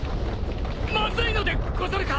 まずいのでござるか？